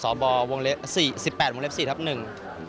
ก็เรียนตั้งแต่จันกระเสมรุ่น๑๘บรสี่ทับหนึ่ง